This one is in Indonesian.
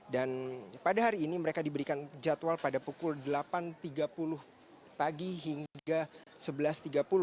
dan pada hari ini mereka diberikan jadwal pada pukul delapan tiga puluh pagi hingga sebelas tiga puluh